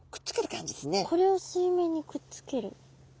これを水面にくっつける。